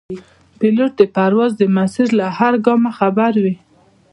پیلوټ د پرواز د مسیر له هر ګامه خبر وي.